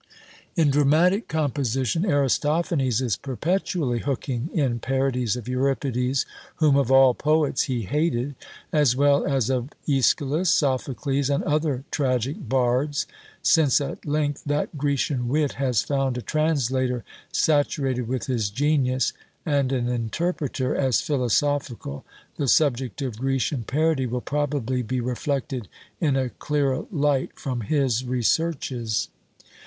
In dramatic composition, Aristophanes is perpetually hooking in parodies of Euripides, whom of all poets he hated, as well as of Ãschylus, Sophocles, and other tragic bards. Since, at length, that Grecian wit has found a translator saturated with his genius, and an interpreter as philosophical, the subject of Grecian parody will probably be reflected in a clearer light from his researches.